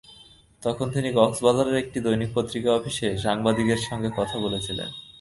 তখন তিনি কক্সবাজারের একটি দৈনিক পত্রিকা অফিসে সাংবাদিকদের সঙ্গে কথা বলছিলেন।